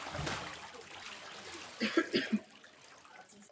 Jeho bratr Karel Červinka byl ředitelem nakladatelství Mladá fronta.